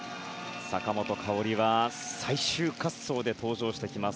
坂本花織は最終滑走で登場してきます。